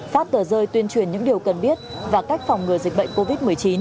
phát tờ rơi tuyên truyền những điều cần biết và cách phòng ngừa dịch bệnh covid một mươi chín